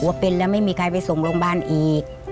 ว่าเป็นแล้วไม่มีใครไปส่งโรงพยาบาลอีก